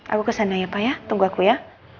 aku kesana ya pak ya tunggu aku ya